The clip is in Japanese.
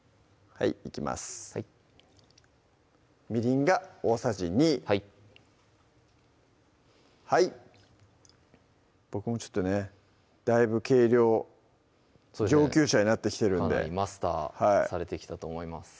はいみりんが大さじ２はいはい僕もちょっとねだいぶ計量上級者になってきてるんでマスターされてきたと思います